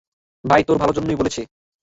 ভাই তোর ভালোর জন্য বলেছে।